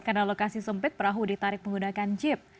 karena lokasi sempit perahu ditarik menggunakan jeep